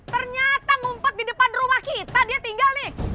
ternyata ngumpet di depan rumah kita dia tinggal nih